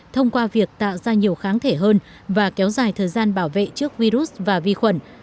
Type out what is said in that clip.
thông qua việc tạo ra nhiều kháng thể hơn và kéo dài thời gian bảo vệ trước virus và vi khuẩn